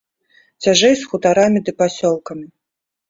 Цяжэй з хутарамі ды пасёлкамі.